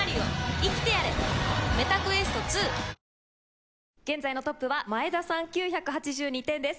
歌唱王は⁉現在のトップは前田さん９８２点です。